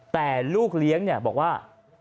แต่ลูกเลี้ยงเนี่ยบอกว่า